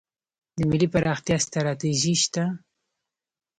د ملي پراختیا ستراتیژي شته؟